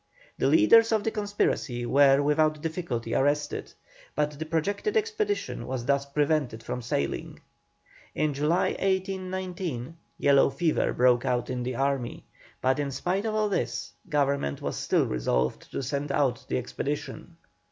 The leaders of the conspiracy were without difficulty arrested, but the projected expedition was thus prevented from sailing. In July, 1819, yellow fever broke out in the army; but in spite of all this, Government was still resolved to send off the expedition.